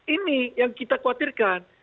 ini yang kita khawatirkan